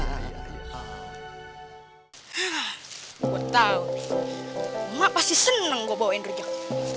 aku tau nih mbak pasti seneng gue bawain rujak